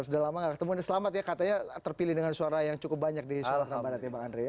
sudah lama gak ketemu selamat ya katanya terpilih dengan suara yang cukup banyak di suara barat ya bang andri